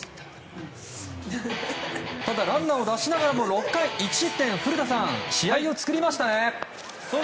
ただ、ランナーを出しながらも６回１失点古田さん試合を作りましたね。